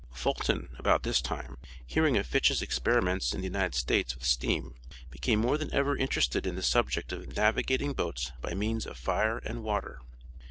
Fulton, about this time, hearing of Fitche's experiments in the United States with steam, became more than ever interested in the subject of "navigating boats by means of fire and water."